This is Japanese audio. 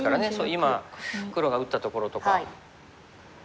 今黒が打ったところとか。